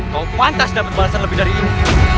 kau tidak akan mendapat balasan lebih dari ini